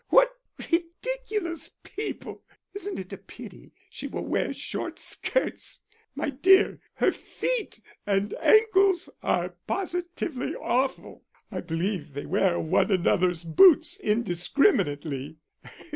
What ridiculous people! Isn't it a pity she will wear short skirts my dear, her feet and ankles are positively awful. I believe they wear one another's boots indiscriminately....